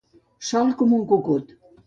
Sol com un cucut.